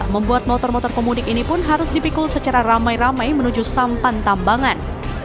membuat motor motor pemudik ini pun harus dipikul secara ramai ramai menuju sampan tambangan